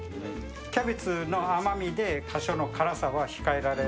キャベツの甘みで多少の辛さは控えられる。